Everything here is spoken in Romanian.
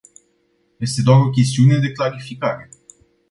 Este doar o chestiune de clarificare.